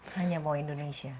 hanya mau indonesia